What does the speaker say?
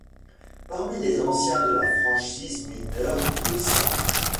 Parmi les anciens de la franchise mineure de St.